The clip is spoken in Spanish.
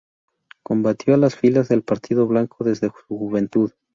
Combatió en las filas del Partido Blanco desde su juventud.